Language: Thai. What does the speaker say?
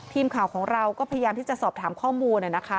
ทีมข่าวของเราก็พยายามที่จะสอบถามข้อมูลนะคะ